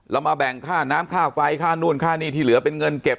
เรามาแบ่งค่าน้ำค่าไฟค่านู่นค่านี่ที่เหลือเป็นเงินเก็บ